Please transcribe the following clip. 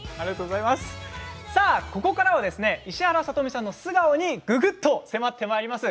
ここからは石原さとみさんの素顔にぐぐっと迫ってまいります。